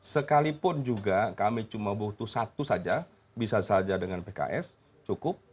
sekalipun juga kami cuma butuh satu saja bisa saja dengan pks cukup